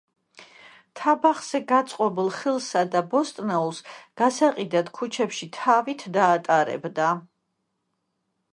თაბახზე გაწყობილ ხილსა და ბოსტნეულს გასაყიდად ქუჩებში თავით დაატარებდა.